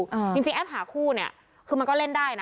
จริงแอปหาคู่คือมันก็เล่นได้นะ